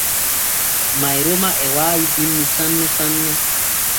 Mayroma e waawi binni sanne sanne.